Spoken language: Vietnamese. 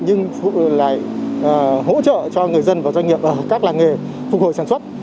nhưng lại hỗ trợ cho người dân và doanh nghiệp ở các làng nghề phục hồi sản xuất